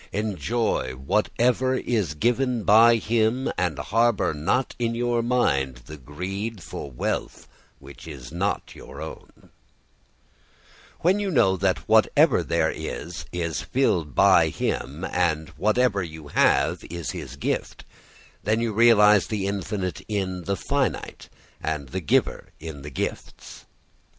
] Enjoy whatever is given by him and harbour not in your mind the greed for wealth which is not your own. [Footnoe: Tēna tyaktēna bhunjīţhā mā gŗidhah kasyasviddhanam.] When you know that whatever there is is filled by him and whatever you have is his gift, then you realise the infinite in the finite, and the giver in the gifts.